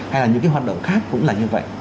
hay là những cái hoạt động khác cũng là như vậy